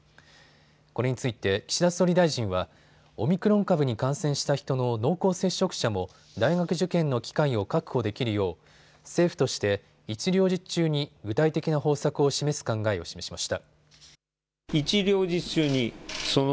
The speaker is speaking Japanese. これについて岸田総理大臣はオミクロン株に感染した人の濃厚接触者も大学受験の機会を確保できるよう政府として一両日中に具体的な方策を示す考えを示しました。